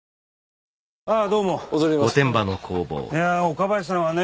岡林さんはね